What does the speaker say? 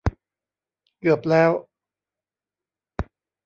เกือบแล้ว